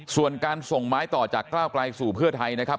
ส่วนการส่งไม้ต่อจากก้าวไกลสู่เพื่อไทยนะครับ